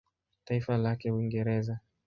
Taifa lake Uingereza.